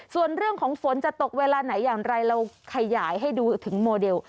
ส่วนเรื่องของฝนจะตกเวลาไหนอย่างไรเราขยายให้ดูถึงโมเดล